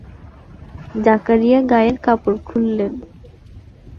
জাকারিয়া গায়ের কাপড় খুললেন।